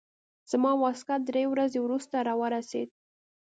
زما واسکټ درې ورځې وروسته راورسېد.